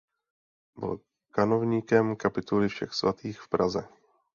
Byl kanovníkem kapituly Všech Svatých v Praze.